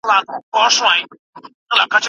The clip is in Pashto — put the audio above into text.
ابو نصر فارابي مسلمان فيلسوف دی.